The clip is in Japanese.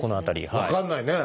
分かんないね。